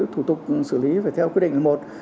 thủ tục xử lý phải theo quy định một